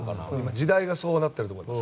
時代がそうなっていると思います。